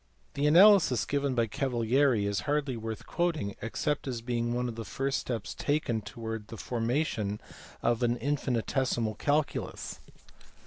The analysis given by Cavalieri is hardly worth quoting except as being one of the first steps taken towards the formation of an infinitesimal calculus.